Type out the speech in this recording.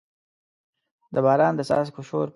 د باران د څاڅکو شور پیرم